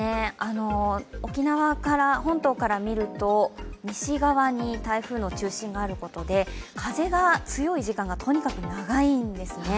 沖縄本島から見ると、西側に台風の中心があることで風が強い時間がとにかく長いんですね。